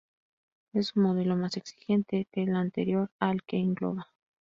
Es un modelo más exigente que el anterior al que engloba.